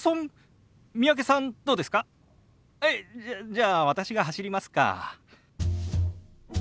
じゃあ私が走りますか。